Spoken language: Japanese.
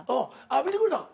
あっ見てくれたん？